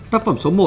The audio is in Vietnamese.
tác phẩm số một